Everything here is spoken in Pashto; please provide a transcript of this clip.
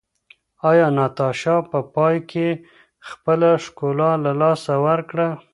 ایا ناتاشا په پای کې خپله ښکلا له لاسه ورکړه؟